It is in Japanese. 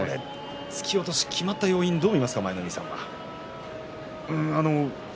突き落としが決まった要因をどう見ますか？